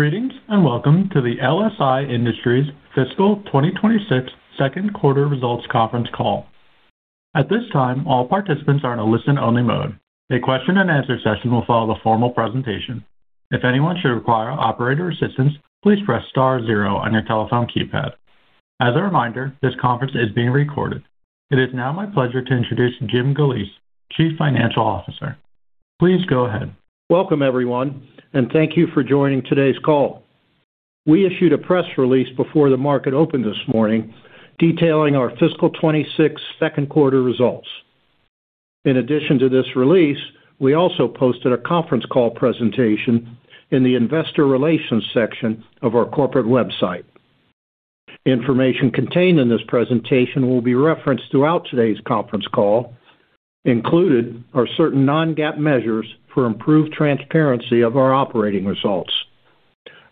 Greetings and welcome to the LSI Industries Fiscal 2026 Second Quarter Results Conference Call. At this time, all participants are in a listen-only mode. A question-and-answer session will follow the formal presentation. If anyone should require operator assistance, please press star zero on your telephone keypad. As a reminder, this conference is being recorded. It is now my pleasure to introduce Jim Galeese, Chief Financial Officer. Please go ahead. Welcome, everyone, and thank you for joining today's call. We issued a press release before the market opened this morning detailing our Fiscal 2026 Second Quarter results. In addition to this release, we also posted a conference call presentation in the Investor Relations section of our corporate website. Information contained in this presentation will be referenced throughout today's conference call. Included are certain Non-GAAP measures for improved transparency of our operating results.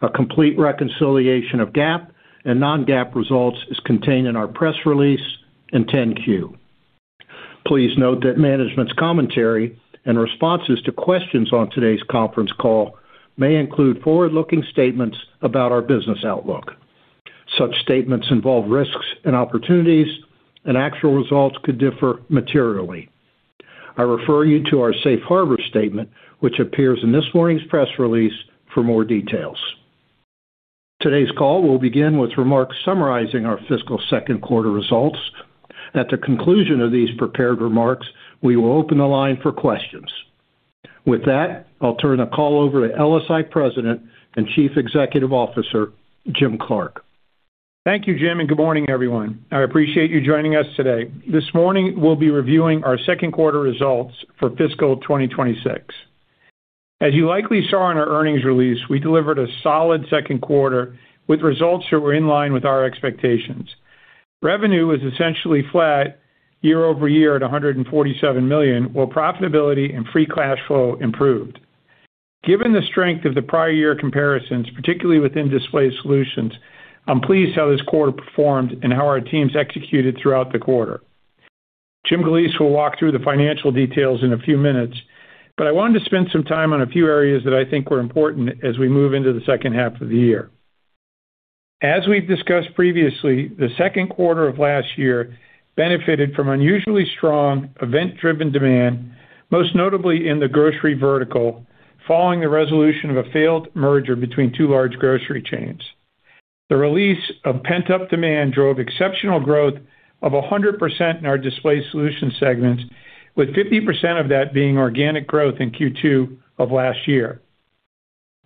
A complete reconciliation of GAAP and Non-GAAP results is contained in our press release and 10-Q. Please note that management's commentary and responses to questions on today's conference call may include forward-looking statements about our business outlook. Such statements involve risks and opportunities, and actual results could differ materially. I refer you to our Safe Harbor statement, which appears in this morning's press release for more details. Today's call will begin with remarks summarizing our Fiscal Second Quarter results. At the conclusion of these prepared remarks, we will open the line for questions. With that, I'll turn the call over to LSI President and Chief Executive Officer, Jim Clark. Thank you, Jim, and good morning, everyone. I appreciate you joining us today. This morning, we'll be reviewing our second quarter results for Fiscal 2026. As you likely saw in our earnings release, we delivered a solid second quarter with results that were in line with our expectations. Revenue was essentially flat year over year at $147 million, while profitability and free cash flow improved. Given the strength of the prior year comparisons, particularly within display solutions, I'm pleased how this quarter performed and how our teams executed throughout the quarter. Jim Galeese will walk through the financial details in a few minutes, but I wanted to spend some time on a few areas that I think were important as we move into the second half of the year. As we've discussed previously, the second quarter of last year benefited from unusually strong event-driven demand, most notably in the grocery vertical, following the resolution of a failed merger between two large grocery chains. The release of pent-up demand drove exceptional growth of 100% in our Display Solutions segment, with 50% of that being organic growth in Q2 of last year.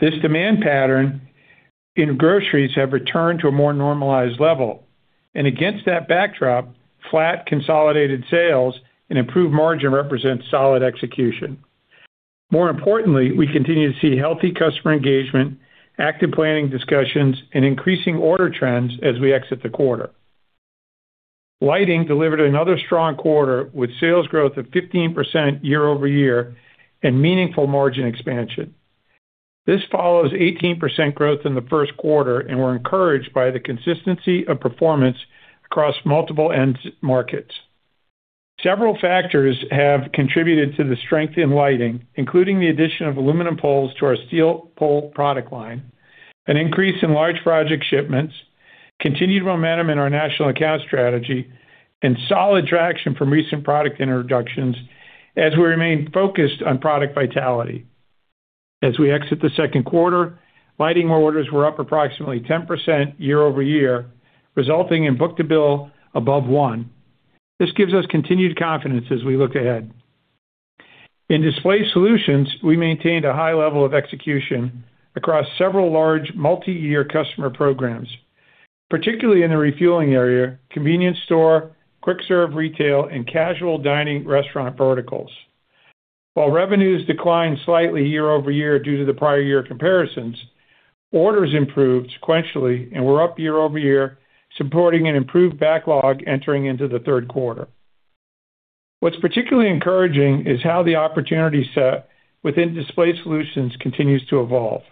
This demand pattern in groceries has returned to a more normalized level. And against that backdrop, flat consolidated sales and improved margin represent solid execution. More importantly, we continue to see healthy customer engagement, active planning discussions, and increasing order trends as we exit the quarter. Lighting delivered another strong quarter with sales growth of 15% year over year and meaningful margin expansion. This follows 18% growth in the first quarter, and we're encouraged by the consistency of performance across multiple end markets. Several factors have contributed to the strength in lighting, including the addition of aluminum poles to our steel pole product line, an increase in large project shipments, continued momentum in our national account strategy, and solid traction from recent product introductions as we remain focused on product vitality. As we exit the second quarter, lighting orders were up approximately 10% year over year, resulting in book-to-bill above one. This gives us continued confidence as we look ahead. In display solutions, we maintained a high level of execution across several large multi-year customer programs, particularly in the refueling area, convenience store, quick-serve retail, and casual dining restaurant verticals. While revenues declined slightly year over year due to the prior year comparisons, orders improved sequentially and were up year over year, supporting an improved backlog entering into the third quarter. What's particularly encouraging is how the opportunity set within display solutions continues to evolve.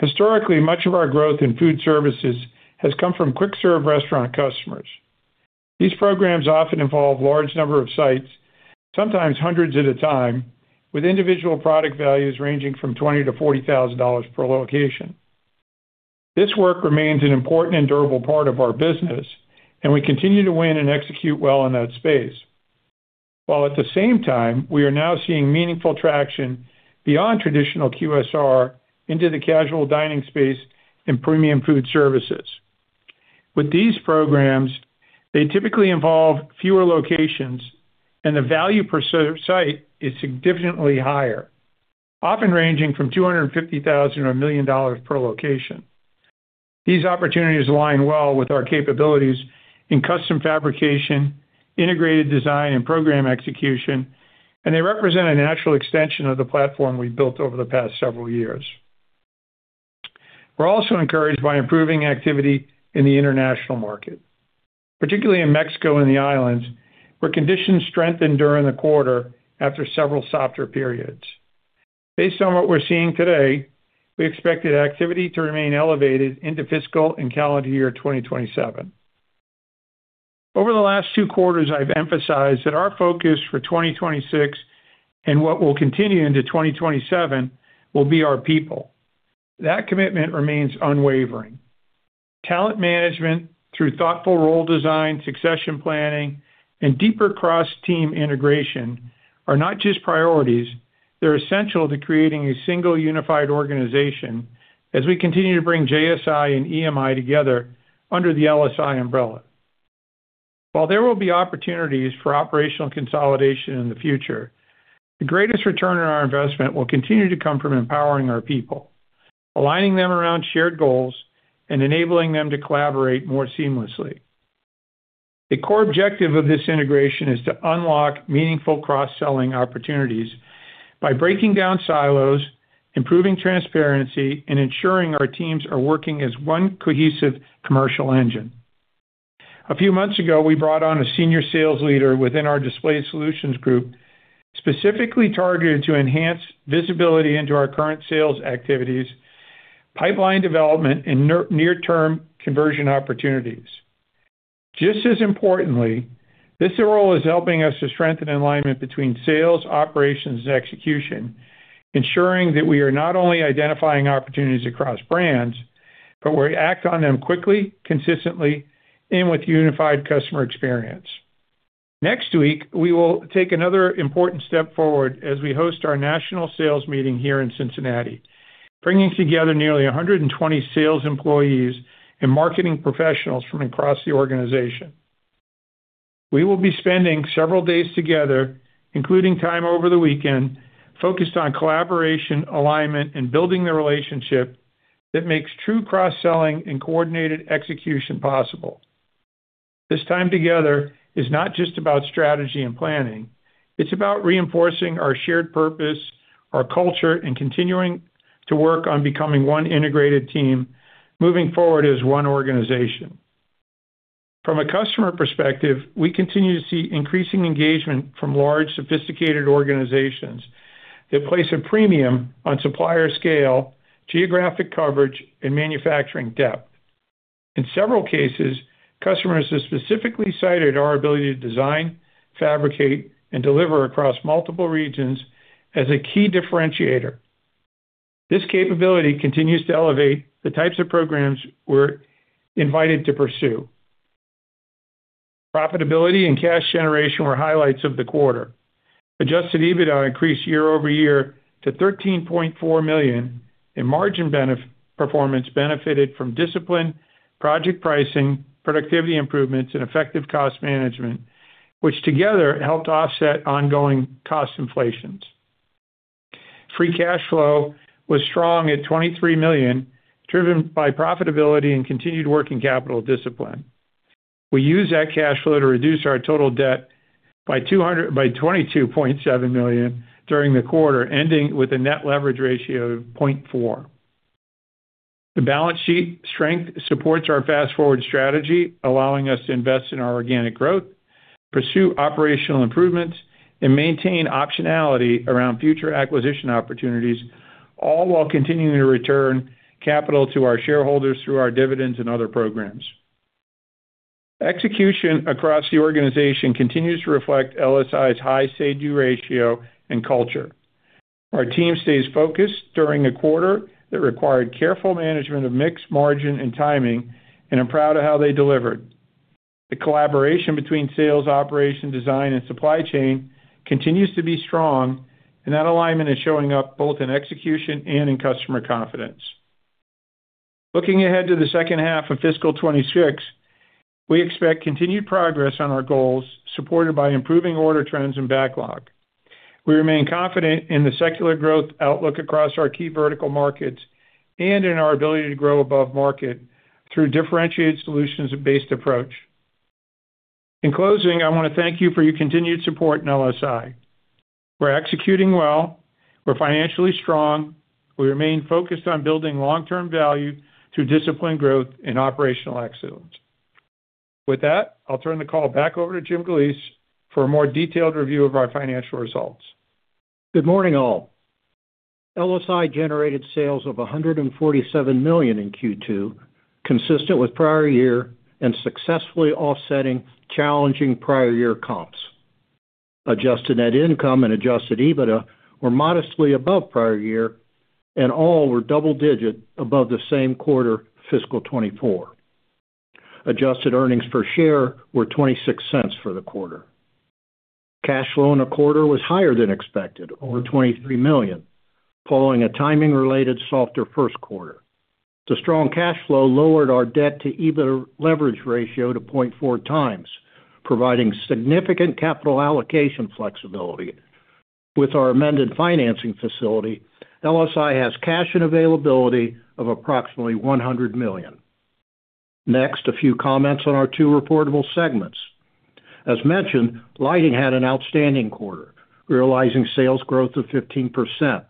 Historically, much of our growth in food services has come from quick-serve restaurant customers. These programs often involve a large number of sites, sometimes hundreds at a time, with individual product values ranging from $20,000-$40,000 per location. This work remains an important and durable part of our business, and we continue to win and execute well in that space. While at the same time, we are now seeing meaningful traction beyond traditional QSR into the casual dining space and premium food services. With these programs, they typically involve fewer locations, and the value per site is significantly higher, often ranging from $250,000-$1 million per location. These opportunities align well with our capabilities in custom fabrication, integrated design, and program execution, and they represent a natural extension of the platform we've built over the past several years. We're also encouraged by improving activity in the international market, particularly in Mexico and the islands, where conditions strengthened during the quarter after several softer periods. Based on what we're seeing today, we expect activity to remain elevated into fiscal and calendar year 2027. Over the last two quarters, I've emphasized that our focus for 2026 and what will continue into 2027 will be our people. That commitment remains unwavering. Talent management through thoughtful role design, succession planning, and deeper cross-team integration are not just priorities. They're essential to creating a single unified organization as we continue to bring JSI and EMI together under the LSI umbrella. While there will be opportunities for operational consolidation in the future, the greatest return on our investment will continue to come from empowering our people, aligning them around shared goals, and enabling them to collaborate more seamlessly. The core objective of this integration is to unlock meaningful cross-selling opportunities by breaking down silos, improving transparency, and ensuring our teams are working as one cohesive commercial engine. A few months ago, we brought on a senior sales leader within our display solutions group, specifically targeted to enhance visibility into our current sales activities, pipeline development, and near-term conversion opportunities. Just as importantly, this role is helping us to strengthen alignment between sales, operations, and execution, ensuring that we are not only identifying opportunities across brands, but we act on them quickly, consistently, and with unified customer experience. Next week, we will take another important step forward as we host our national sales meeting here in Cincinnati, bringing together nearly 120 sales employees and marketing professionals from across the organization. We will be spending several days together, including time over the weekend, focused on collaboration, alignment, and building the relationship that makes true cross-selling and coordinated execution possible. This time together is not just about strategy and planning. It's about reinforcing our shared purpose, our culture, and continuing to work on becoming one integrated team moving forward as one organization. From a customer perspective, we continue to see increasing engagement from large, sophisticated organizations that place a premium on supplier scale, geographic coverage, and manufacturing depth. In several cases, customers have specifically cited our ability to design, fabricate, and deliver across multiple regions as a key differentiator. This capability continues to elevate the types of programs we're invited to pursue. Profitability and cash generation were highlights of the quarter. Adjusted EBITDA increased year over year to $13.4 million, and margin performance benefited from discipline, project pricing, productivity improvements, and effective cost management, which together helped offset ongoing cost inflations. Free cash flow was strong at $23 million, driven by profitability and continued working capital discipline. We used that cash flow to reduce our total debt by $22.7 million during the quarter, ending with a net leverage ratio of 0.4. The balance sheet strength supports our Fast Forward strategy, allowing us to invest in our organic growth, pursue operational improvements, and maintain optionality around future acquisition opportunities, all while continuing to return capital to our shareholders through our dividends and other programs. Execution across the organization continues to reflect LSI's high book-to-bill ratio and culture. Our team stays focused during a quarter that required careful management of mix, margin and timing, and I'm proud of how they delivered. The collaboration between sales, operations, design, and supply chain continues to be strong, and that alignment is showing up both in execution and in customer confidence. Looking ahead to the second half of Fiscal 2026, we expect continued progress on our goals, supported by improving order trends and backlog. We remain confident in the secular growth outlook across our key vertical markets and in our ability to grow above market through differentiated solutions-based approach. In closing, I want to thank you for your continued support in LSI. We're executing well. We're financially strong. We remain focused on building long-term value through disciplined growth and operational excellence. With that, I'll turn the call back over to Jim Galeese for a more detailed review of our financial results. Good morning, all. LSI generated sales of $147 million in Q2, consistent with prior year and successfully offsetting challenging prior year comps. Adjusted net income and adjusted EBITDA were modestly above prior year, and all were double-digit above the same quarter Fiscal 2024. Adjusted earnings per share were $0.26 for the quarter. Cash flow in a quarter was higher than expected, over $23 million, following a timing-related softer first quarter. The strong cash flow lowered our debt-to-EBITDA leverage ratio to 0.4 times, providing significant capital allocation flexibility. With our amended financing facility, LSI has cash and availability of approximately $100 million. Next, a few comments on our two reportable segments. As mentioned, Lighting had an outstanding quarter, realizing sales growth of 15%.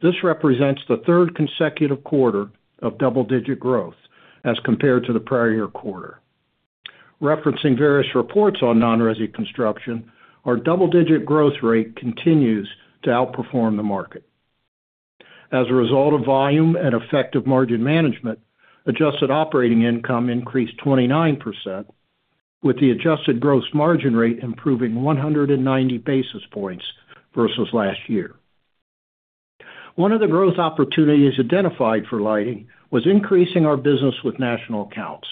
This represents the third consecutive quarter of double-digit growth as compared to the prior year quarter. Referencing various reports on non-resi construction, our double-digit growth rate continues to outperform the market. As a result of volume and effective margin management, adjusted operating income increased 29%, with the adjusted gross margin rate improving 190 basis points versus last year. One of the growth opportunities identified for Lighting was increasing our business with national accounts.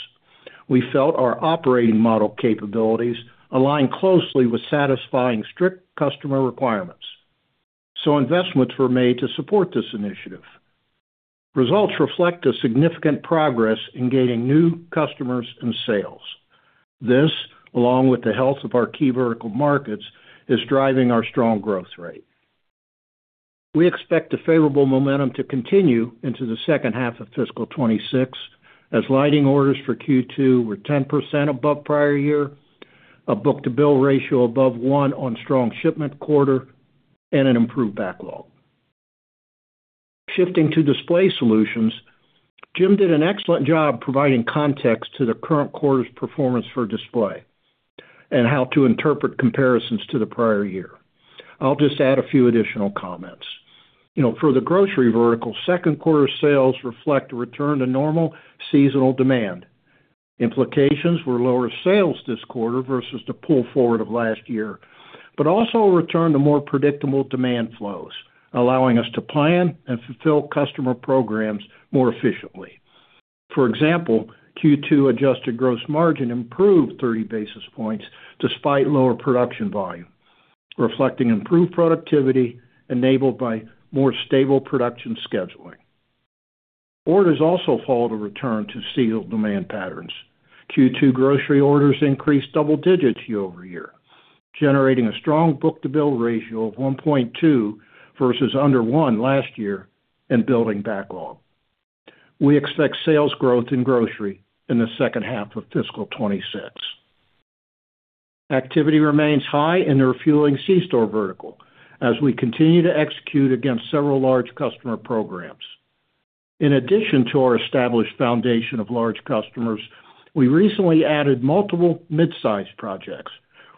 We felt our operating model capabilities aligned closely with satisfying strict customer requirements, so investments were made to support this initiative. Results reflect a significant progress in gaining new customers and sales. This, along with the health of our key vertical markets, is driving our strong growth rate. We expect a favorable momentum to continue into the second half of Fiscal 2026, as Lighting orders for Q2 were 10% above prior year, a book-to-bill ratio above one on strong shipment quarter, and an improved backlog. Shifting to display solutions, Jim did an excellent job providing context to the current quarter's performance for display and how to interpret comparisons to the prior year. I'll just add a few additional comments. For the grocery vertical, second quarter sales reflect a return to normal seasonal demand. Implications were lower sales this quarter versus the pull forward of last year, but also a return to more predictable demand flows, allowing us to plan and fulfill customer programs more efficiently. For example, Q2 adjusted gross margin improved 30 basis points despite lower production volume, reflecting improved productivity enabled by more stable production scheduling. Orders also followed a return to seasonal demand patterns. Q2 grocery orders increased double digits year over year, generating a strong book-to-bill ratio of 1.2 versus under one last year and building backlog. We expect sales growth in grocery in the second half of Fiscal 2026. Activity remains high in the refueling C-store vertical as we continue to execute against several large customer programs. In addition to our established foundation of large customers, we recently added multiple mid-sized projects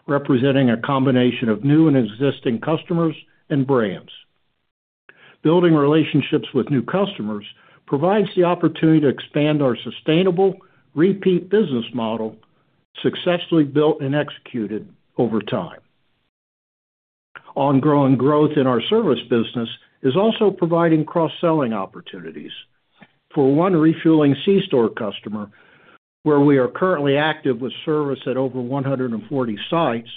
representing a combination of new and existing customers and brands. Building relationships with new customers provides the opportunity to expand our sustainable repeat business model successfully built and executed over time. Ongoing growth in our service business is also providing cross-selling opportunities. For one refueling C-store customer, where we are currently active with service at over 140 sites,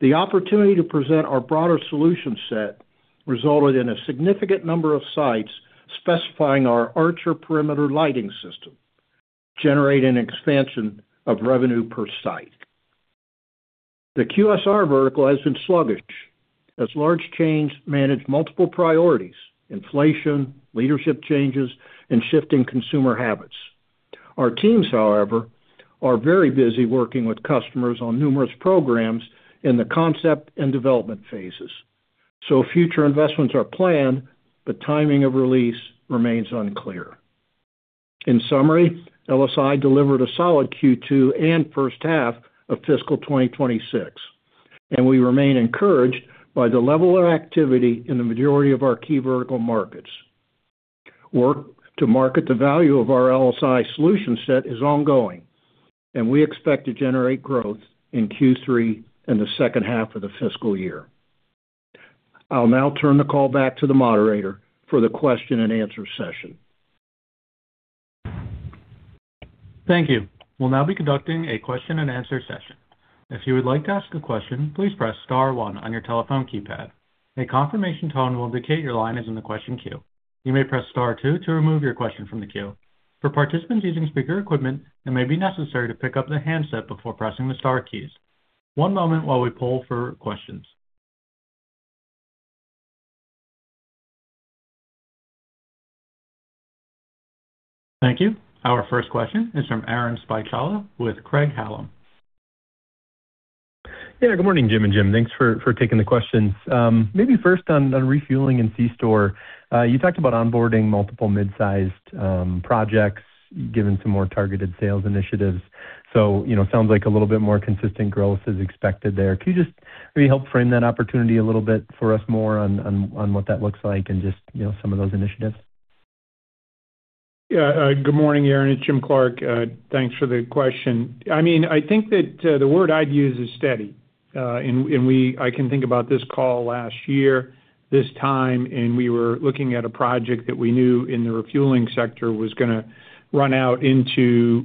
the opportunity to present our broader solution set resulted in a significant number of sites specifying our Archer Perimeter Lighting System, generating an expansion of revenue per site. The QSR vertical has been sluggish, as large chains manage multiple priorities: inflation, leadership changes, and shifting consumer habits. Our teams, however, are very busy working with customers on numerous programs in the concept and development phases, so future investments are planned, but timing of release remains unclear. In summary, LSI delivered a solid Q2 and first half of Fiscal 2026, and we remain encouraged by the level of activity in the majority of our key vertical markets. Work to market the value of our LSI solution set is ongoing, and we expect to generate growth in Q3 and the second half of the fiscal year. I'll now turn the call back to the moderator for the question and answer session. Thank you. We'll now be conducting a question and answer session. If you would like to ask a question, please press star one on your telephone keypad. A confirmation tone will indicate your line is in the question queue. You may press star two to remove your question from the queue. For participants using speaker equipment, it may be necessary to pick up the handset before pressing the star keys. One moment while we pull for questions. Thank you. Our first question is from Aaron Spychala with Craig-Hallum. Yeah, good morning, Jim and Jim. Thanks for taking the questions. Maybe first on refueling and C-store, you talked about onboarding multiple mid-sized projects, given some more targeted sales initiatives. So it sounds like a little bit more consistent growth is expected there. Can you just maybe help frame that opportunity a little bit for us more on what that looks like and just some of those initiatives? Yeah, good morning, Aaron. It's Jim Clark. Thanks for the question. I mean, I think that the word I'd use is steady, and I can think about this call last year, this time, and we were looking at a project that we knew in the refueling sector was going to run out into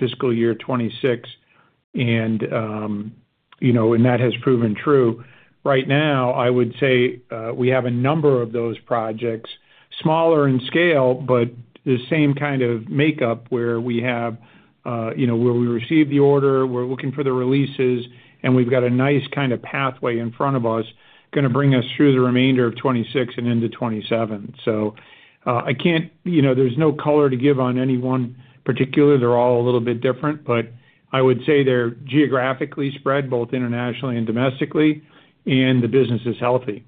fiscal year 2026, and that has proven true. Right now, I would say we have a number of those projects, smaller in scale, but the same kind of makeup where we receive the order, we're looking for the releases, and we've got a nice kind of pathway in front of us going to bring us through the remainder of 2026 and into 2027. So, I can't. There's no color to give on any one particular. They're all a little bit different, but I would say they're geographically spread both internationally and domestically, and the business is healthy,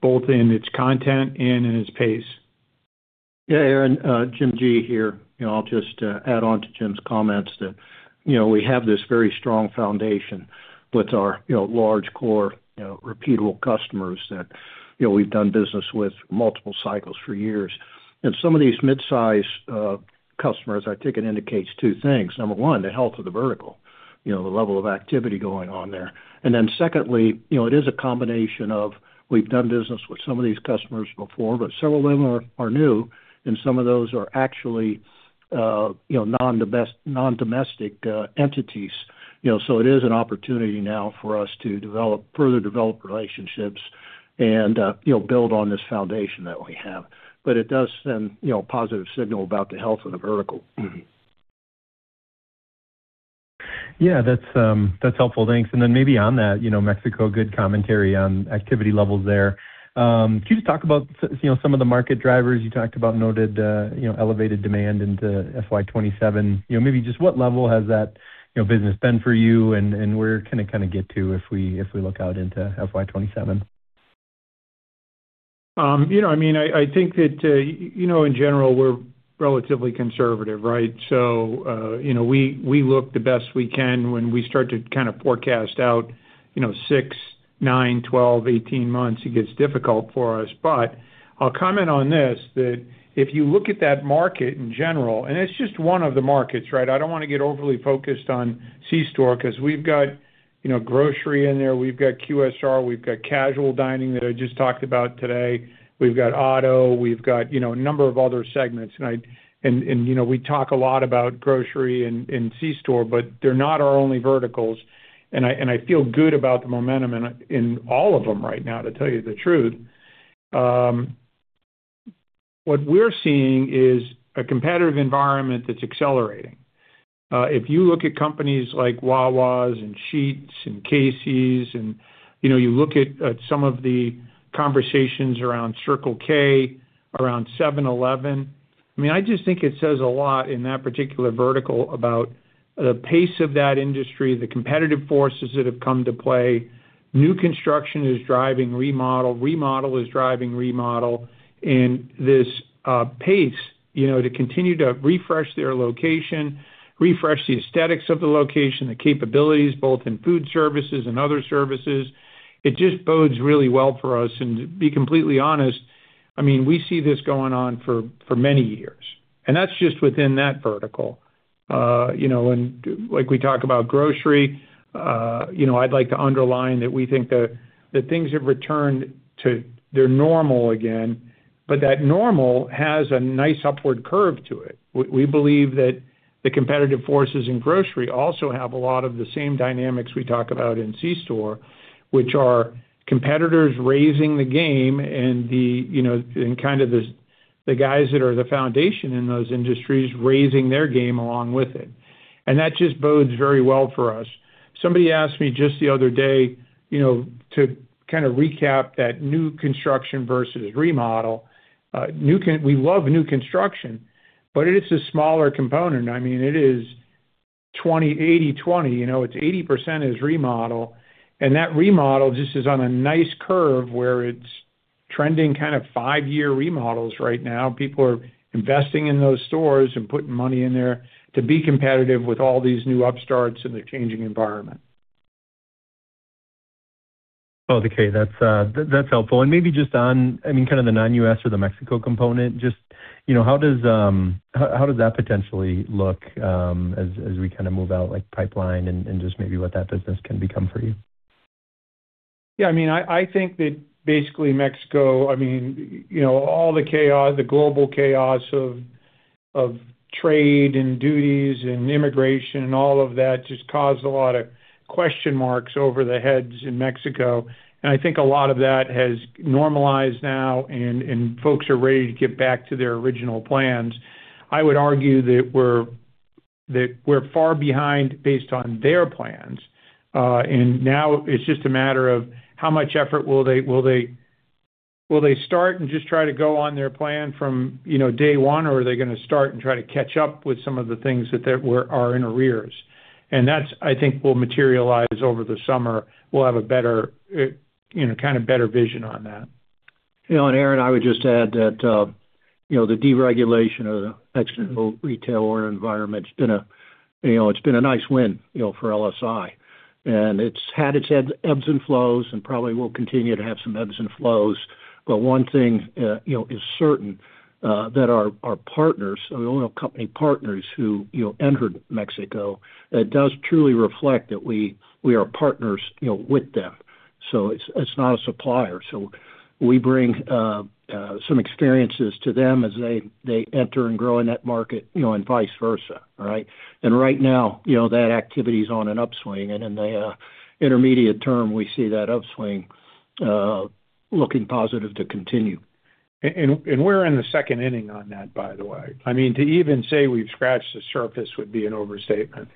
both in its content and in its pace. Yeah, Aaron, Jim G here. I'll just add on to Jim's comments that we have this very strong foundation with our large core, repeatable customers that we've done business with multiple cycles for years. And some of these mid-sized customers, I think it indicates two things. Number one, the health of the vertical, the level of activity going on there. And then secondly, it is a combination of we've done business with some of these customers before, but several of them are new, and some of those are actually non-domestic entities. So it is an opportunity now for us to further develop relationships and build on this foundation that we have. But it does send a positive signal about the health of the vertical. Yeah, that's helpful. Thanks. And then maybe on that Mexico, good commentary on activity levels there. Can you just talk about some of the market drivers you talked about? Noted elevated demand into FY 2027. Maybe just what level has that business been for you, and where can it kind of get to if we look out into FY 2027? I mean, I think that in general, we're relatively conservative, right? So we look the best we can. When we start to kind of forecast out six, nine, 12, 18 months, it gets difficult for us, but I'll comment on this, that if you look at that market in general, and it's just one of the markets, right? I don't want to get overly focused on C-store because we've got grocery in there. We've got QSR. We've got casual dining that I just talked about today. We've got auto. We've got a number of other segments, and we talk a lot about grocery and C-store, but they're not our only verticals, and I feel good about the momentum in all of them right now, to tell you the truth. What we're seeing is a competitive environment that's accelerating. If you look at companies like Wawa's and Sheetz's and Casey's, and you look at some of the conversations around Circle K, around 7-Eleven, I mean, I just think it says a lot in that particular vertical about the pace of that industry, the competitive forces that have come to play. New construction is driving remodel. Remodel is driving remodel. And this pace to continue to refresh their location, refresh the aesthetics of the location, the capabilities, both in food services and other services, it just bodes really well for us. And to be completely honest, I mean, we see this going on for many years. And that's just within that vertical. And like we talk about grocery, I'd like to underline that we think that things have returned to their normal again, but that normal has a nice upward curve to it. We believe that the competitive forces in grocery also have a lot of the same dynamics we talk about in C-store, which are competitors raising the game and kind of the guys that are the foundation in those industries raising their game along with it, and that just bodes very well for us. Somebody asked me just the other day to kind of recap that new construction versus remodel. We love new construction, but it's a smaller component. I mean, it is 80/20. It's 80% remodel. And that remodel just is on a nice curve where it's trending kind of five-year remodels right now. People are investing in those stores and putting money in there to be competitive with all these new upstarts in the changing environment. Oh, okay. That's helpful. And maybe just on, I mean, kind of the non-U.S. or the Mexico component, just how does that potentially look as we kind of move our pipeline and just maybe what that business can become for you? Yeah, I mean, I think that basically Mexico, I mean, all the chaos, the global chaos of trade and duties and immigration and all of that just caused a lot of question marks over the heads in Mexico. And I think a lot of that has normalized now, and folks are ready to get back to their original plans. I would argue that we're far behind based on their plans. And now it's just a matter of how much effort will they start and just try to go on their plan from day one, or are they going to start and try to catch up with some of the things that are in arrears? And that's, I think, will materialize over the summer. We'll have a better kind of better vision on that. Yeah, and Aaron, I would just add that the deregulation of the traditional retail order environment. It's been a nice win for LSI. And it's had its ebbs and flows and probably will continue to have some ebbs and flows. But one thing is certain that our partners, the oil company partners who entered Mexico, it does truly reflect that we are partners with them. So it's not a supplier. So we bring some experiences to them as they enter and grow in that market and vice versa, right? And right now, that activity is on an upswing. And in the intermediate term, we see that upswing looking positive to continue. And we're in the second inning on that, by the way. I mean, to even say we've scratched the surface would be an overstatement.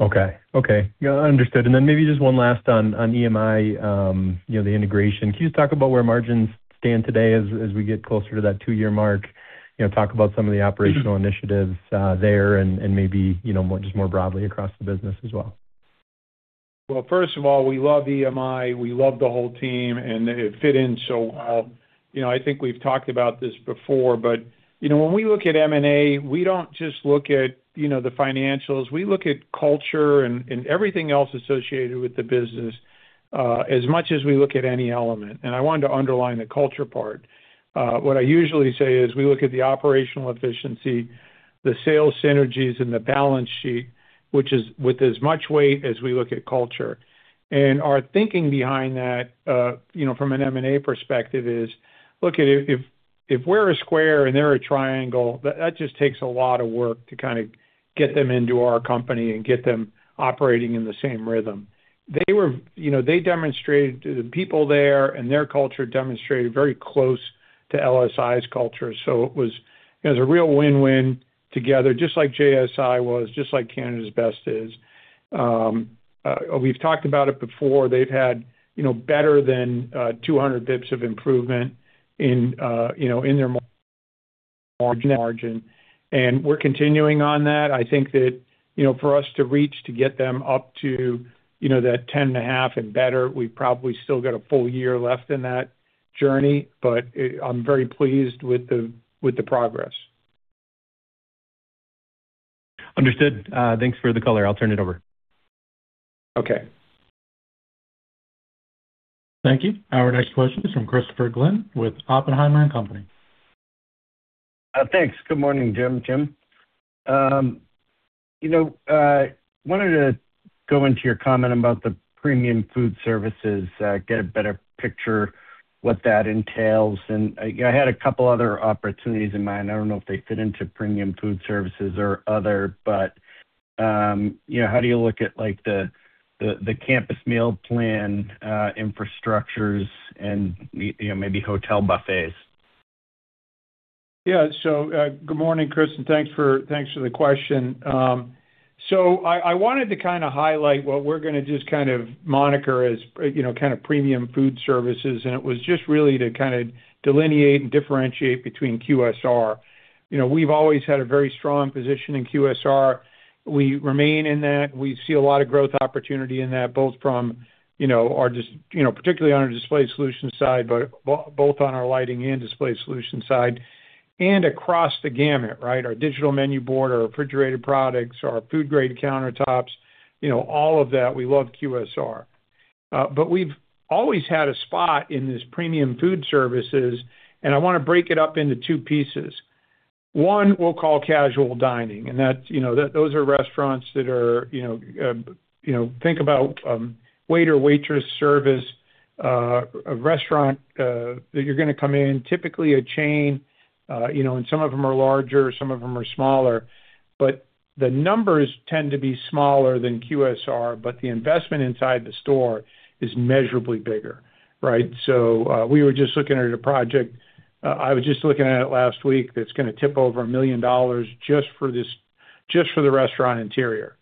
Okay. Okay. Yeah, understood. And then maybe just one last on EMI, the integration. Can you just talk about where margins stand today as we get closer to that two-year mark? Talk about some of the operational initiatives there and maybe just more broadly across the business as well. First of all, we love EMI. We love the whole team, and it fit in so well. I think we've talked about this before, but when we look at M&A, we don't just look at the financials. We look at culture and everything else associated with the business as much as we look at any element. I wanted to underline the culture part. What I usually say is we look at the operational efficiency, the sales synergies, and the balance sheet, which is with as much weight as we look at culture. Our thinking behind that from an M&A perspective is, look, if we're a square and they're a triangle, that just takes a lot of work to kind of get them into our company and get them operating in the same rhythm. They demonstrated the people there and their culture demonstrated very close to LSI's culture. So it was a real win-win together, just like JSI was, just like Canada's Best is. We've talked about it before. They've had better than 200 basis points of improvement in their margin. And we're continuing on that. I think that for us to reach to get them up to that 10 and a half and better, we probably still got a full year left in that journey, but I'm very pleased with the progress. Understood. Thanks for the color. I'll turn it over. Okay. Thank you. Our next question is from Christopher Glynn with Oppenheimer & Co. Thanks. Good morning, Jim. I wanted to go into your comment about the premium food services, get a better picture of what that entails. And I had a couple of other opportunities in mind. I don't know if they fit into premium food services or other, but how do you look at the campus meal plan infrastructures and maybe hotel buffets? Yeah. So good morning, Chris, and thanks for the question. So I wanted to kind of highlight what we're going to just kind of monitor as kind of premium food services. And it was just really to kind of delineate and differentiate between QSR. We've always had a very strong position in QSR. We remain in that. We see a lot of growth opportunity in that, both from our particularly on our display solution side, but both on our lighting and display solution side and across the gamut, right? Our digital menu board, our refrigerated products, our food-grade countertops, all of that. We love QSR. But we've always had a spot in this premium food services, and I want to break it up into two pieces. One, we'll call casual dining. Those are restaurants that are. Think about waiter/waitress service restaurants that you're going to come in, typically a chain, and some of them are larger, some of them are smaller. The numbers tend to be smaller than QSR, but the investment inside the store is measurably bigger, right? We were just looking at a project. I was just looking at it last week. It's going to top over $1 million just for the restaurant interior.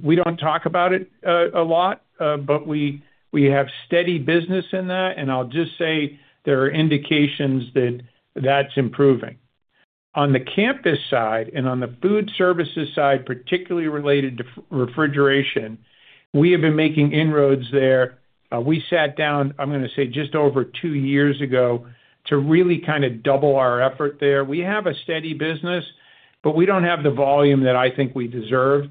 We don't talk about it a lot, but we have steady business in that. I'll just say there are indications that that's improving. On the campus side and on the food services side, particularly related to refrigeration, we have been making inroads there. We sat down. I'm going to say just over two years ago to really kind of double our effort there. We have a steady business, but we don't have the volume that I think we deserve,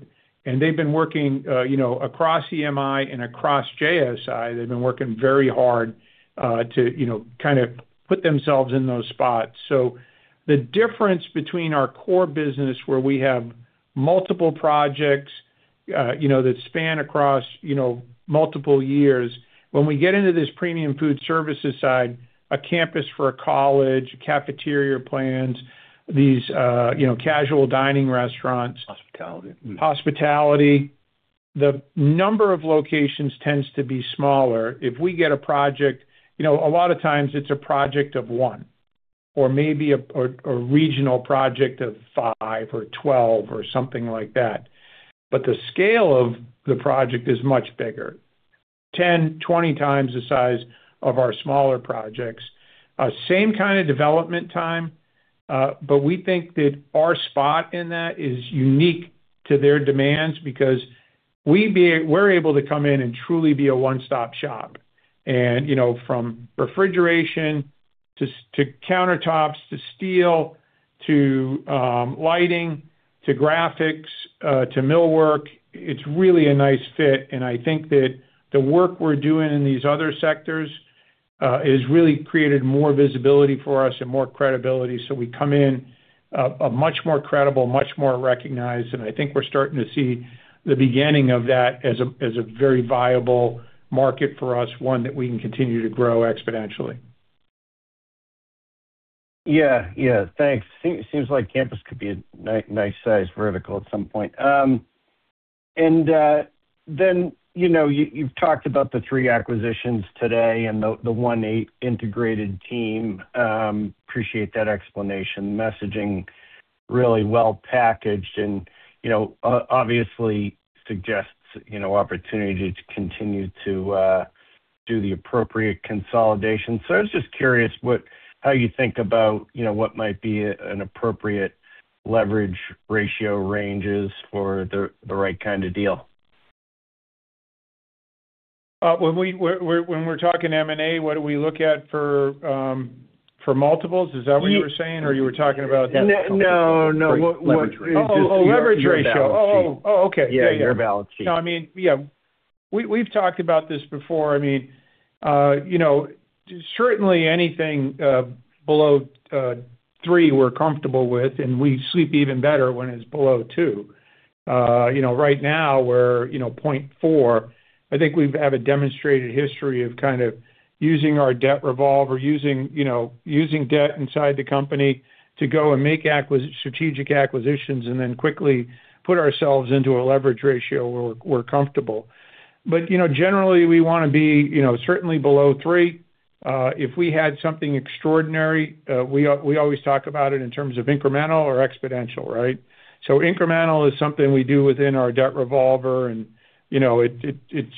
and they've been working across EMI and across JSI. They've been working very hard to kind of put themselves in those spots, so the difference between our core business, where we have multiple projects that span across multiple years, when we get into this premium food services side, a campus for a college, cafeteria plans, these casual dining restaurants. Hospitality. Hospitality. The number of locations tends to be smaller. If we get a project, a lot of times it's a project of one or maybe a regional project of five or 12 or something like that. But the scale of the project is much bigger, 10, 20 times the size of our smaller projects. Same kind of development time, but we think that our spot in that is unique to their demands because we're able to come in and truly be a one-stop shop. And from refrigeration to countertops to steel to lighting to graphics to millwork, it's really a nice fit. And I think that the work we're doing in these other sectors has really created more visibility for us and more credibility. So we come in much more credible, much more recognized. I think we're starting to see the beginning of that as a very viable market for us, one that we can continue to grow exponentially. Yeah. Yeah. Thanks. Seems like campus could be a nice size vertical at some point. And then you've talked about the three acquisitions today and the one integrated team. Appreciate that explanation. Messaging really well packaged and obviously suggests opportunity to continue to do the appropriate consolidation. So I was just curious how you think about what might be an appropriate leverage ratio ranges for the right kind of deal. When we're talking M&A, what do we look at for multiples? Is that what you were saying? Or you were talking about that leverage ratio? No, no. Leverage ratio. Oh, okay. Yeah, yeah. No, I mean, yeah. We've talked about this before. I mean, certainly anything below three, we're comfortable with. And we sleep even better when it's below two. Right now, we're 0.4. I think we have a demonstrated history of kind of using our debt revolver or using debt inside the company to go and make strategic acquisitions and then quickly put ourselves into a leverage ratio where we're comfortable. But generally, we want to be certainly below three. If we had something extraordinary, we always talk about it in terms of incremental or exponential, right? So incremental is something we do within our debt revolver. And it's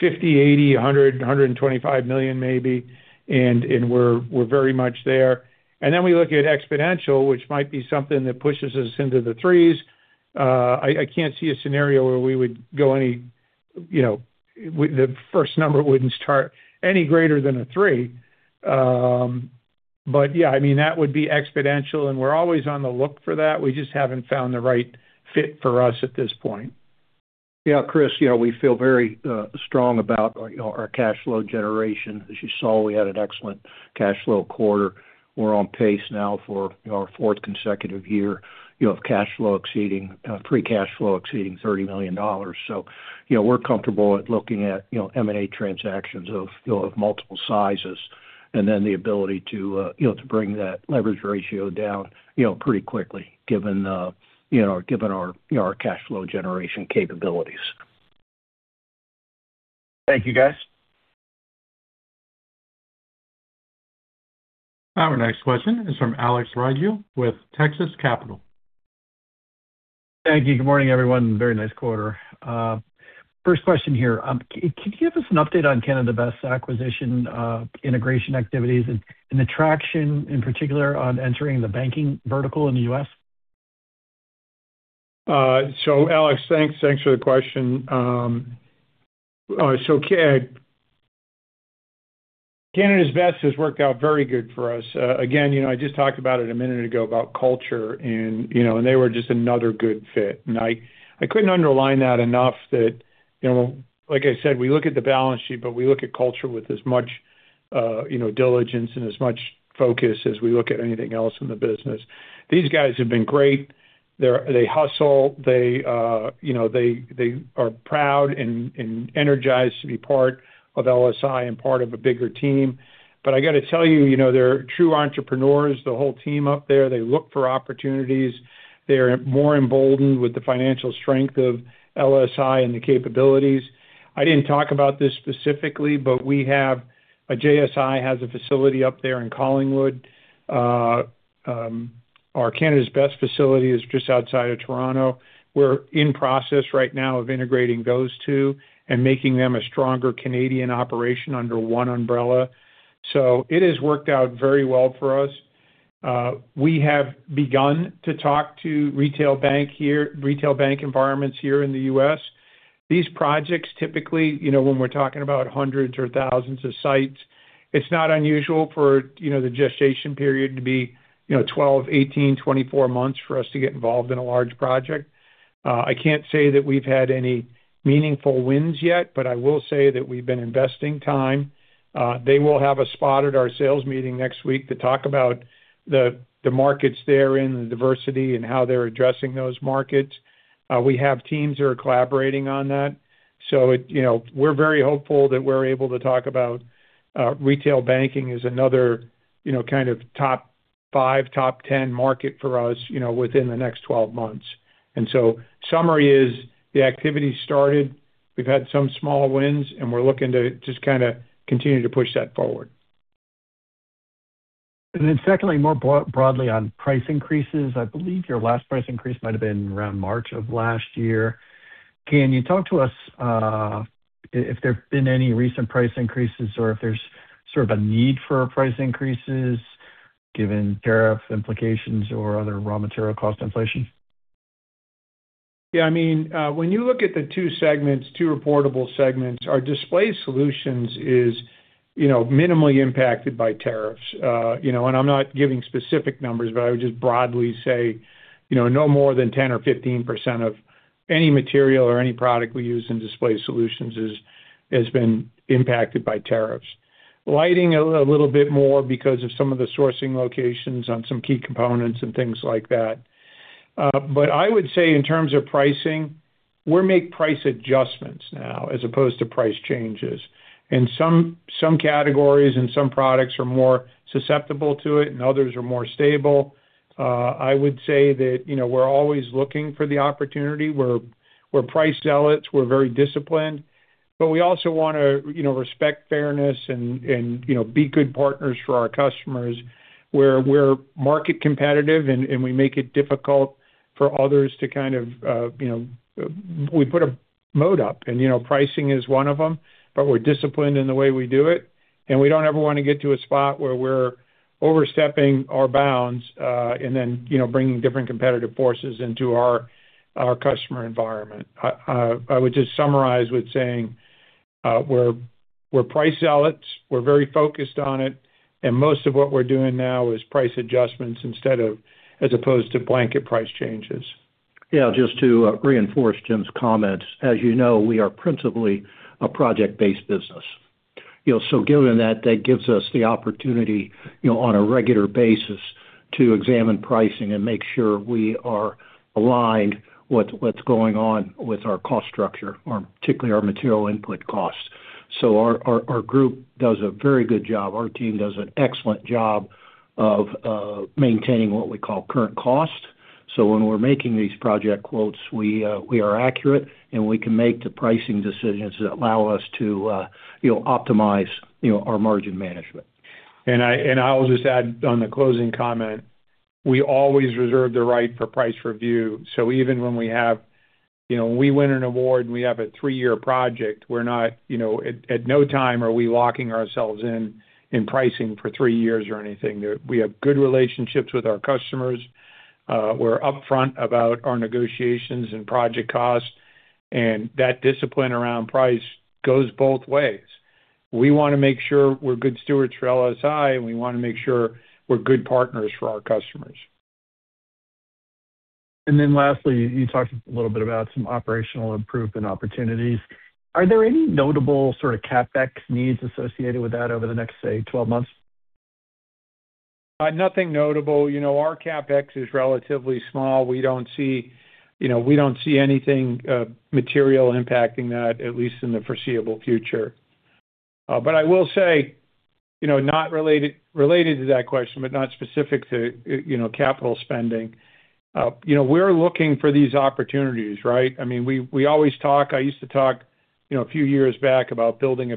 $50 million, $80 million, $100 million, $125 million maybe. And we're very much there. And then we look at exponential, which might be something that pushes us into the threes. I can't see a scenario where we would go any the first number wouldn't start any greater than a 3. Yeah, I mean, that would be exponential. And we're always on the look for that. We just haven't found the right fit for us at this point. Yeah, Chris, we feel very strong about our cash flow generation. As you saw, we had an excellent cash flow quarter. We're on pace now for our fourth consecutive year of cash flow exceeding free cash flow exceeding $30 million. So we're comfortable at looking at M&A transactions of multiple sizes and then the ability to bring that leverage ratio down pretty quickly given our cash flow generation capabilities. Thank you, guys. Our next question is from Alex Rygiel with Texas Capital. Thank you. Good morning, everyone. Very nice quarter. First question here. Could you give us an update on Canada's Best's acquisition integration activities and the traction in particular on entering the banking vertical in the U.S.? So Alex, thanks. Thanks for the question. So Canada's Best has worked out very good for us. Again, I just talked about it a minute ago about culture, and they were just another good fit. And I couldn't underline that enough that, like I said, we look at the balance sheet, but we look at culture with as much diligence and as much focus as we look at anything else in the business. These guys have been great. They hustle. They are proud and energized to be part of LSI and part of a bigger team. But I got to tell you, they're true entrepreneurs, the whole team up there. They look for opportunities. They're more emboldened with the financial strength of LSI and the capabilities. I didn't talk about this specifically, but we have a JSI has a facility up there in Collingwood. Our Canada's Best facility is just outside of Toronto. We're in process right now of integrating those two and making them a stronger Canadian operation under one umbrella. So it has worked out very well for us. We have begun to talk to retail bank environments here in the U.S. These projects, typically, when we're talking about hundreds or thousands of sites, it's not unusual for the gestation period to be 12, 18, 24 months for us to get involved in a large project. I can't say that we've had any meaningful wins yet, but I will say that we've been investing time. They will have a spot at our sales meeting next week to talk about the markets they're in, the diversity, and how they're addressing those markets. We have teams that are collaborating on that. We're very hopeful that we're able to talk about retail banking as another kind of top five, top 10 market for us within the next 12 months. And so, summary is the activity started. We've had some small wins, and we're looking to just kind of continue to push that forward. And then secondly, more broadly on price increases. I believe your last price increase might have been around March of last year. Can you talk to us if there have been any recent price increases or if there's sort of a need for price increases given tariff implications or other raw material cost inflation? Yeah. I mean, when you look at the two segments, two reportable segments, our display solutions is minimally impacted by tariffs. And I'm not giving specific numbers, but I would just broadly say no more than 10% or 15% of any material or any product we use in display solutions has been impacted by tariffs. Lighting a little bit more because of some of the sourcing locations on some key components and things like that. But I would say in terms of pricing, we make price adjustments now as opposed to price changes. And some categories and some products are more susceptible to it, and others are more stable. I would say that we're always looking for the opportunity. We're price zealots. We're very disciplined. But we also want to respect fairness and be good partners for our customers where we're market competitive and we make it difficult for others to kind of, we put a moat up. And pricing is one of them, but we're disciplined in the way we do it. And we don't ever want to get to a spot where we're overstepping our bounds and then bringing different competitive forces into our customer environment. I would just summarize with saying we're price zealots. We're very focused on it. And most of what we're doing now is price adjustments as opposed to blanket price changes. Yeah. Just to reinforce Jim's comments, as you know, we are principally a project-based business. So given that, that gives us the opportunity on a regular basis to examine pricing and make sure we are aligned with what's going on with our cost structure, particularly our material input costs. So our group does a very good job. Our team does an excellent job of maintaining what we call current cost. So when we're making these project quotes, we are accurate, and we can make the pricing decisions that allow us to optimize our margin management. And I'll just add on the closing comment. We always reserve the right for price review. So even when we win an award and we have a three-year project, we're not, at no time are we locking ourselves in pricing for three years or anything. We have good relationships with our customers. We're upfront about our negotiations and project costs. And that discipline around price goes both ways. We want to make sure we're good stewards for LSI, and we want to make sure we're good partners for our customers. And then lastly, you talked a little bit about some operational improvement opportunities. Are there any notable sort of CapEx needs associated with that over the next, say, 12 months? Nothing notable. Our CapEx is relatively small. We don't see anything material impacting that, at least in the foreseeable future. But I will say, not related to that question, but not specific to capital spending, we're looking for these opportunities, right? I mean, we always talk. I used to talk a few years back about building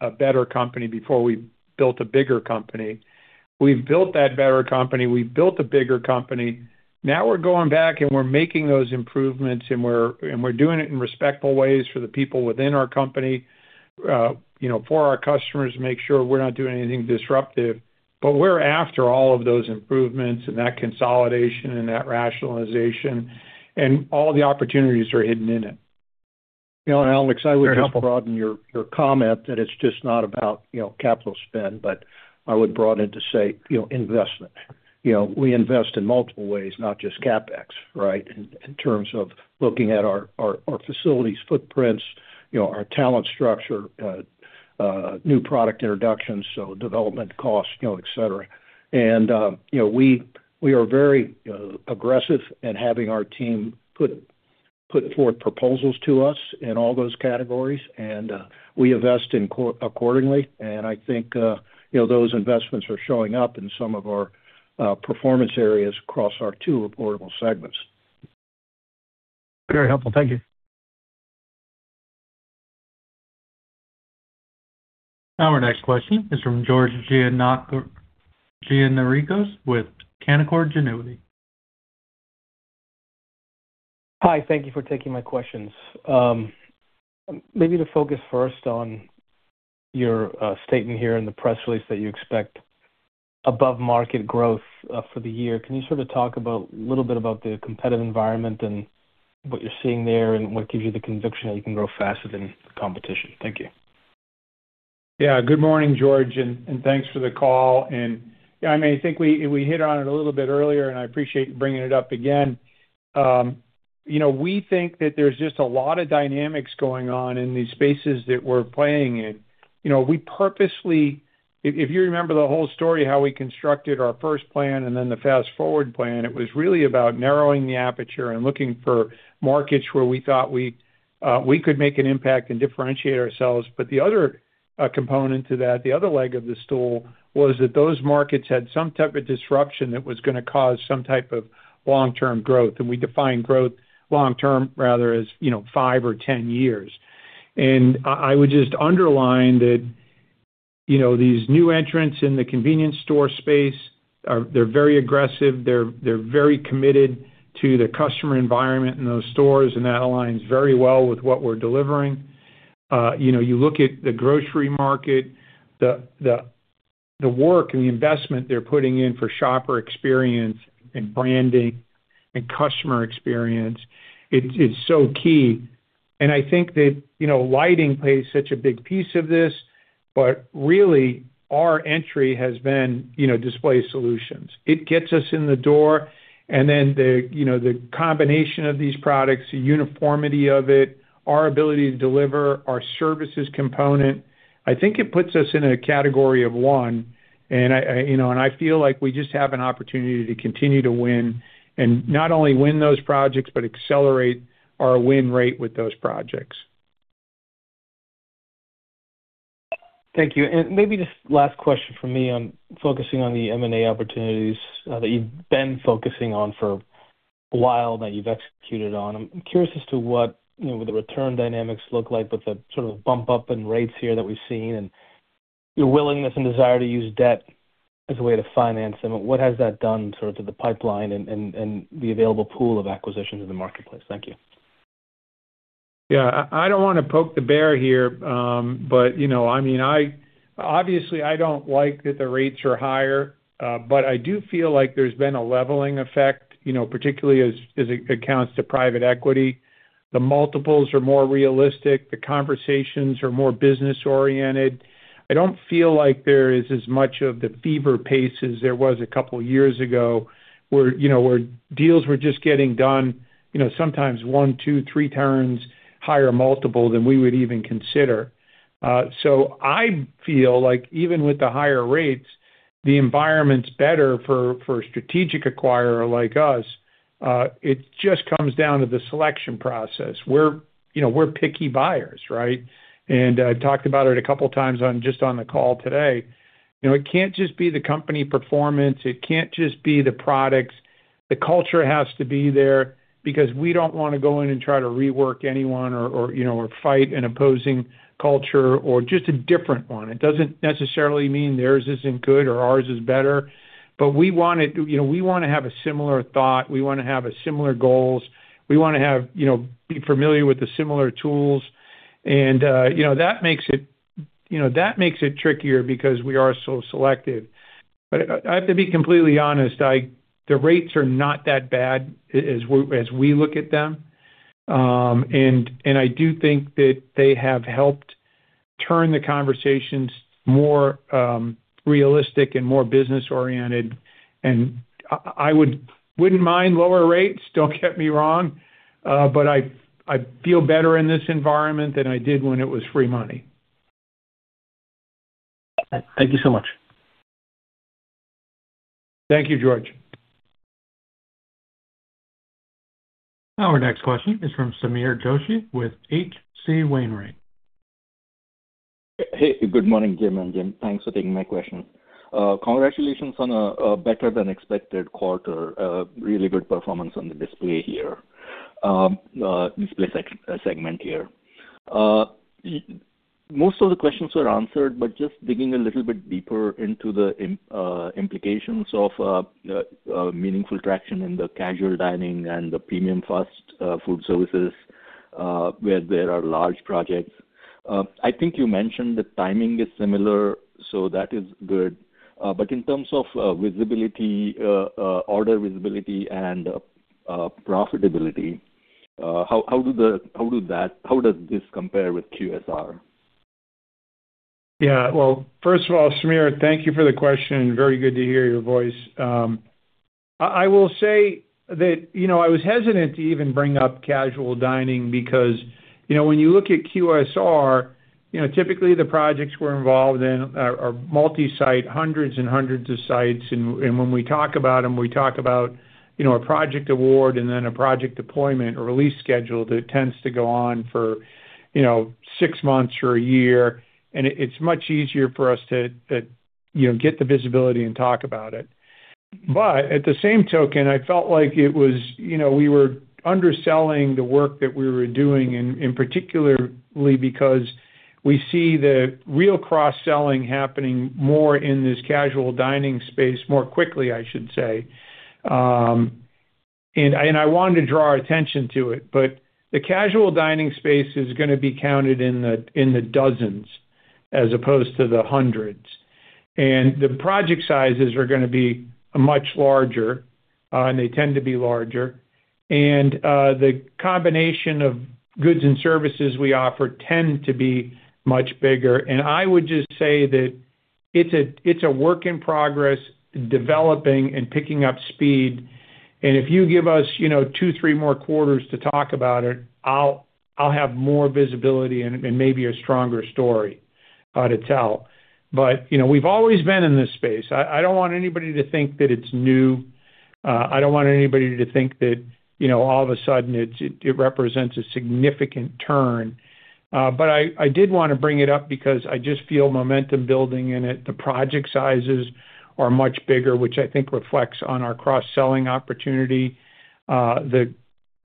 a better company before we built a bigger company. We've built that better company. We've built a bigger company. Now we're going back, and we're making those improvements, and we're doing it in respectful ways for the people within our company, for our customers, to make sure we're not doing anything disruptive. But we're after all of those improvements, that consolidation, and that rationalization. All the opportunities are hidden in it. And Alex, I would just broaden your comment that it's just not about capital spend, but I would broaden it to say investment. We invest in multiple ways, not just CapEx, right, in terms of looking at our facilities, footprints, our talent structure, new product introductions, so development costs, etc. And we are very aggressive in having our team put forth proposals to us in all those categories. And we invest accordingly. And I think those investments are showing up in some of our performance areas across our two reportable segments. Very helpful. Thank you. Our next question is from George Gianarikas with Canaccord Genuity. Hi. Thank you for taking my questions. Maybe to focus first on your statement here in the press release that you expect above-market growth for the year, can you sort of talk a little bit about the competitive environment and what you're seeing there and what gives you the conviction that you can grow faster than competition? Thank you. Yeah. Good morning, George. And thanks for the call. And I mean, I think we hit on it a little bit earlier, and I appreciate bringing it up again. We think that there's just a lot of dynamics going on in these spaces that we're playing in. If you remember the whole story how we constructed our first plan and then the fast-forward plan, it was really about narrowing the aperture and looking for markets where we thought we could make an impact and differentiate ourselves. But the other component to that, the other leg of the stool, was that those markets had some type of disruption that was going to cause some type of long-term growth. And we define growth long-term rather as five or 10 years. And I would just underline that these new entrants in the convenience store space, they're very aggressive. They're very committed to the customer environment in those stores. And that aligns very well with what we're delivering. You look at the grocery market, the work and the investment they're putting in for shopper experience and branding and customer experience, it's so key. And I think that lighting plays such a big piece of this. But really, our entry has been display solutions. It gets us in the door. And then the combination of these products, the uniformity of it, our ability to deliver, our services component, I think it puts us in a category of one. And I feel like we just have an opportunity to continue to win and not only win those projects but accelerate our win rate with those projects. Thank you. And maybe just last question for me. I'm focusing on the M&A opportunities that you've been focusing on for a while that you've executed on. I'm curious as to what the return dynamics look like with the sort of bump-up in rates here that we've seen and your willingness and desire to use debt as a way to finance them. What has that done sort of to the pipeline and the available pool of acquisitions in the marketplace? Thank you. Yeah. I don't want to poke the bear here, but I mean, obviously, I don't like that the rates are higher. But I do feel like there's been a leveling effect, particularly as it comes to private equity. The multiples are more realistic. The conversations are more business-oriented. I don't feel like there is as much of the fever pitch there was a couple of years ago where deals were just getting done, sometimes one, two, three turns higher multiple than we would even consider. So I feel like even with the higher rates, the environment's better for a strategic acquirer like us. It just comes down to the selection process. We're picky buyers, right? And I've talked about it a couple of times just on the call today. It can't just be the company performance. It can't just be the products. The culture has to be there because we don't want to go in and try to rework anyone or fight an opposing culture or just a different one. It doesn't necessarily mean theirs isn't good or ours is better. But we want to have a similar thought. We want to have similar goals. We want to be familiar with the similar tools. And that makes it trickier because we are so selective. But I have to be completely honest, the rates are not that bad as we look at them. And I do think that they have helped turn the conversations more realistic and more business-oriented. And I wouldn't mind lower rates. Don't get me wrong. But I feel better in this environment than I did when it was free money. Thank you so much. Thank you, George. Our next question is from Sameer Joshi with H.C. Wainwright. Hey. Good morning, Jim. And Jim, thanks for taking my question. Congratulations on a better-than-expected quarter. Really good performance on the display here, display segment here. Most of the questions were answered, but just digging a little bit deeper into the implications of meaningful traction in the casual dining and the premium fast food services where there are large projects. I think you mentioned the timing is similar, so that is good. But in terms of visibility, order visibility, and profitability, how does this compare with QSR? Yeah. Well, first of all, Sameer, thank you for the question. Very good to hear your voice. I will say that I was hesitant to even bring up casual dining because when you look at QSR, typically, the projects we're involved in are multi-site, hundreds and hundreds of sites. And when we talk about them, we talk about a project award and then a project deployment or release schedule that tends to go on for six months or a year. And it's much easier for us to get the visibility and talk about it. But at the same token, I felt like it was we were underselling the work that we were doing in particularly because we see the real cross-selling happening more in this casual dining space more quickly, I should say. And I wanted to draw our attention to it. But the casual dining space is going to be counted in the dozens as opposed to the hundreds. And the project sizes are going to be much larger, and they tend to be larger. And the combination of goods and services we offer tend to be much bigger. And I would just say that it's a work in progress, developing, and picking up speed. And if you give us two, three more quarters to talk about it, I'll have more visibility and maybe a stronger story to tell. But we've always been in this space. I don't want anybody to think that it's new. I don't want anybody to think that all of a sudden it represents a significant turn. But I did want to bring it up because I just feel momentum building in it. The project sizes are much bigger, which I think reflects on our cross-selling opportunity. Just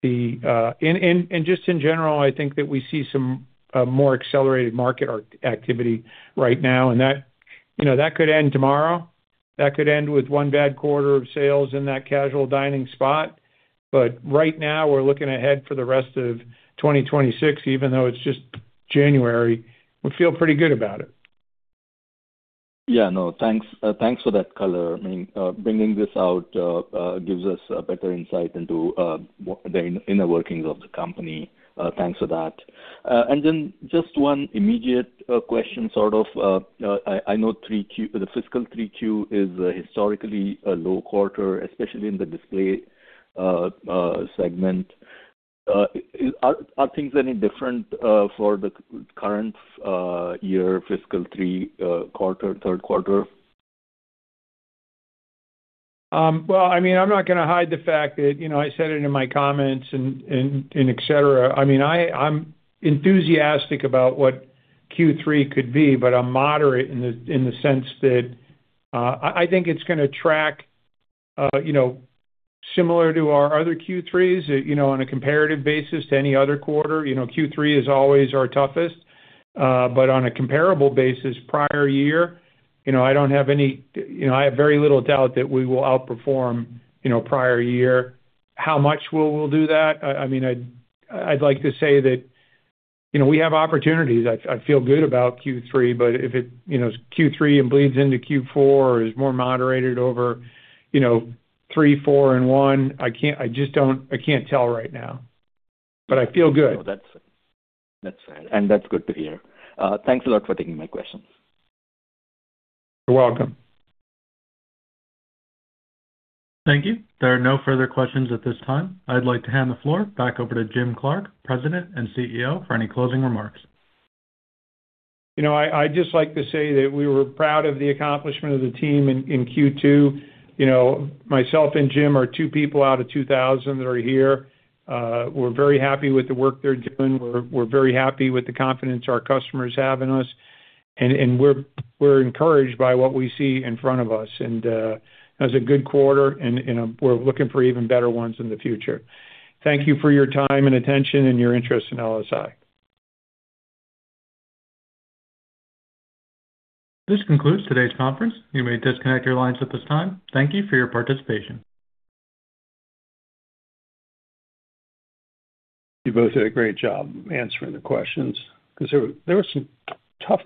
in general, I think that we see some more accelerated market activity right now. And that could end tomorrow. That could end with one bad quarter of sales in that casual dining spot. Right now, we're looking ahead for the rest of 2026, even though it's just January. We feel pretty good about it. Yeah. No, thanks for that color. I mean, bringing this out gives us a better insight into the inner workings of the company. Thanks for that. And then just one immediate question sort of. I know the fiscal 3Q is historically a low quarter, especially in the display segment. Are things any different for the current year, fiscal 3 quarter, third quarter? Well, I mean, I'm not going to hide the fact that I said it in my comments and etc. I mean, I'm enthusiastic about what Q3 could be, but I'm moderate in the sense that I think it's going to track similar to our other Q3s on a comparative basis to any other quarter. Q3 is always our toughest. But on a comparable basis, prior year, I have very little doubt that we will outperform prior year. How much will we do that? I mean, I'd like to say that we have opportunities. I feel good about Q3. But if it's Q3 and bleeds into Q4 or is more moderated over 3, 4, and 1, I can't tell right now. But I feel good. That's fair, and that's good to hear. Thanks a lot for taking my questions. You're welcome. Thank you. There are no further questions at this time. I'd like to hand the floor back over to Jim Clark, President and CEO, for any closing remarks. I'd just like to say that we were proud of the accomplishment of the team in Q2. Myself and Jim are two people out of 2,000 that are here. We're very happy with the work they're doing. We're very happy with the confidence our customers have in us, and we're encouraged by what we see in front of us, and that was a good quarter, and we're looking for even better ones in the future. Thank you for your time and attention and your interest in LSI. This concludes today's conference. You may disconnect your lines at this time. Thank you for your participation. You both did a great job answering the questions because there were some tough.